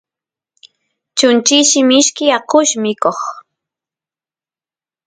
chunchilli mishki akush mikoq